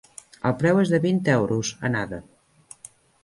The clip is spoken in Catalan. El preu és de vint euros, anada.